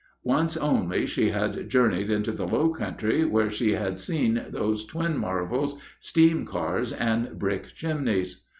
Once only she had journeyed into the low country, where she had seen those twin marvels, steam cars and brick chimneys.